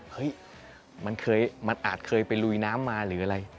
เฮ้ยมันอาจเคยไปลุยน้ำมาหรืออะไร